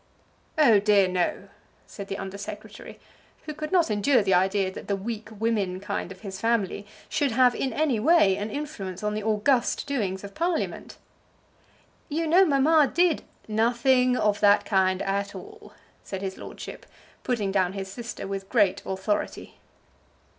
"Oh, dear, no," said the Under Secretary, who could not endure the idea that the weak women kind of his family should have, in any way, an influence on the august doings of Parliament. "You know mamma did " "Nothing of that kind at all," said his lordship, putting down his sister with great authority.